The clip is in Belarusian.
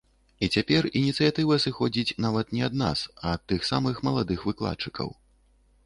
І цяпер ініцыятыва сыходзіць нават не ад нас, а ад тых самых маладых выкладчыкаў.